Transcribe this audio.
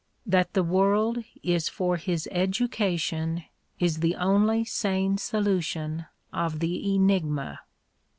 That the world is for his education is the only sane solution of the enigma.